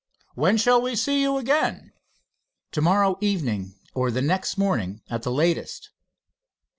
When shall we see you again?" "To morrow evening, or the next morning at the latest."